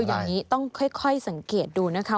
อย่างนี้ต้องค่อยสังเกตดูนะคะ